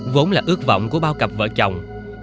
vốn là ước vọng của bao cặp vợ chồng